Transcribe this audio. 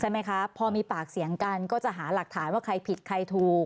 ไหมคะพอมีปากเสียงกันก็จะหาหลักฐานว่าใครผิดใครถูก